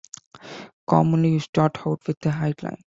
Commonly, you start out with a height line.